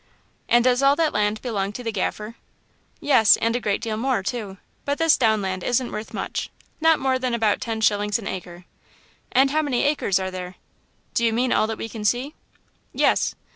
"And does all that land belong to the Gaffer?" "Yes, and a great deal more, too; but this down land isn't worth much not more than about ten shillings an acre." "And how many acres are there?" "Do you mean all that we can see?" "Yes."